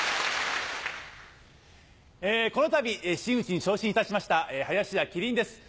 このたび真打に昇進いたしました林家希林です。